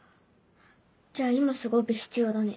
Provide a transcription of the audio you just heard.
じゃあ今すぐオペ必要だね。